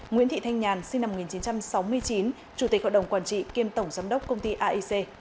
nguyễn thị thanh nhàn sinh năm một nghìn chín trăm sáu mươi chín chủ tịch hội đồng quản trị kiêm tổng giám đốc công ty aic